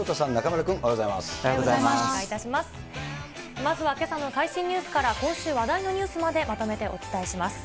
まずはけさの最新ニュースから、今週話題のニュースまでまとめてお伝えします。